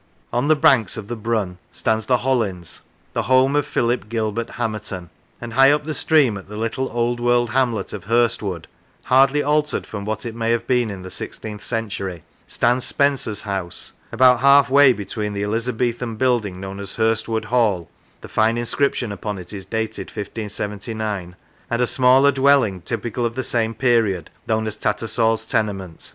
On the banks of the Brun stands the Hollins, the home of Philip Gilbert Hamerton; and high up the stream, at the little old world hamlet of Hurstwood, hardly altered from what it may have been in the sixteenth century, stands Spenser's House, about half way be tween the Elizabethan building known as Hurstwood Hall (the fine inscription upon it is dated 1579), and a smaller dwelling typical of the same period, known as TattersalPs Tenement.